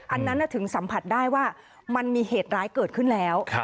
อันนั้นถึงสัมผัสได้ว่ามันมีเหตุร้ายเกิดขึ้นแล้ว